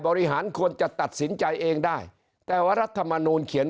ควรจะตัดสินใจเองได้แต่ว่ารัฐมนูลเขียน